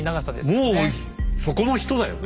もうそこの人だよね。